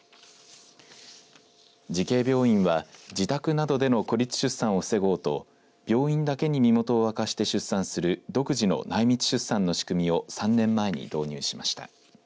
慈恵病院は自宅などでの孤立出産を防ごうと病院だけに身元を明かして出産する独自の内密出産の仕組みを３年前に導入しました。